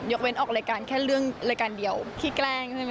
ยกเว้นออกรายการแค่รายการเดียวที่แกล้งใช่ไหมคะ